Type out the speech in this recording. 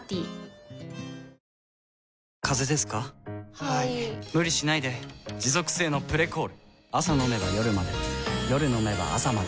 はい・・・無理しないで持続性の「プレコール」朝飲めば夜まで夜飲めば朝まで